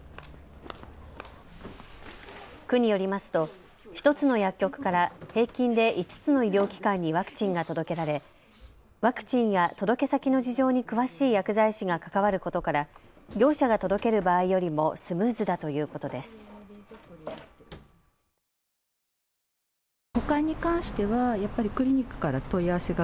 区によりますと１つの薬局から平均で５つの医療機関にワクチンが届けられワクチンや届け先の事情に詳しい薬剤師が関わることから業者が届ける場合よりもスムーズだということです。